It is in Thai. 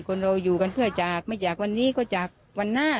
คนเราอยู่กันเพื่อจากไม่จากวันนี้ก็จากวันหน้า